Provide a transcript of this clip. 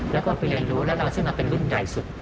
แล้วก็ไปเรียนรู้แล้วเราซึ่งมันเป็นรุ่นใหญ่สุด